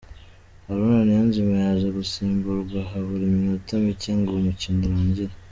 Haruna Niyonzima yaje gusimburwa habura iminota mike ngo umukino urangire.